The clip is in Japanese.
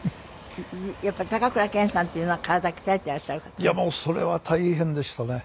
やっぱり高倉健さんっていうのは体鍛えていらっしゃる方？いやもうそれは大変でしたね。